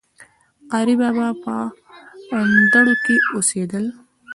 قاري بابا په اندړو کي اوسيدل